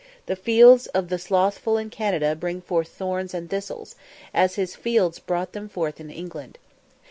The fields of the slothful in Canada bring forth thorns and thistles, as his fields brought them forth in England.